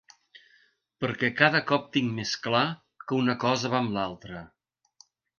Perquè cada cop tinc més clar que una cosa va amb l'altra.